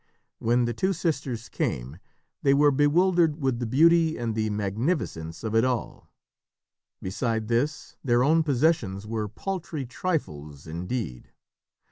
When the two sisters came, they were bewildered with the beauty and the magnificence of it all. Beside this, their own possessions were paltry trifles indeed.